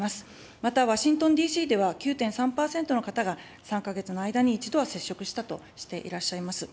また、ワシントンＤＣでは９．３％の方が、３か月の間に一度は接触したとしていらっしゃいます。